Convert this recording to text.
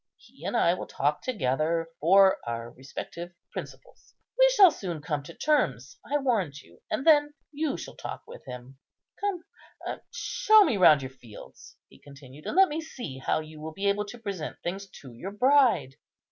He and I will talk together for our respective principals. We shall soon come to terms, I warrant you; and then you shall talk with him. Come, show me round your fields," he continued, "and let me see how you will be able to present things to your bride.